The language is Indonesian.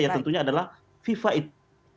ya tentunya adalah viva itu